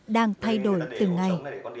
đang thay đổi từng ngày